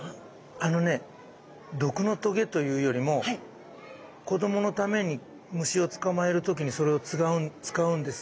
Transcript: あのね毒のとげというよりも子どものために虫を捕まえる時にそれを使うんです